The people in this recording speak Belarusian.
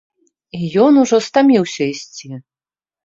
А ён ужо стаміўся есці!